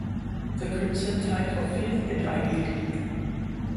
The Crimson tied for fifth in the Ivy League.